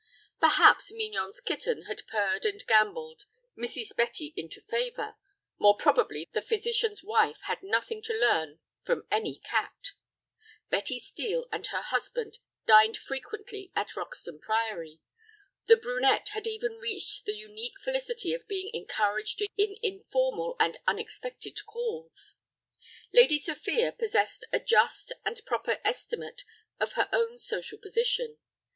Perhaps Mignon's kitten had purred and gambolled Mrs. Betty into favor; more probably the physician's wife had nothing to learn from any cat. Betty Steel and her husband dined frequently at Roxton Priory. The brunette had even reached the unique felicity of being encouraged in informal and unexpected calls. Lady Sophia possessed a just and proper estimate of her own social position.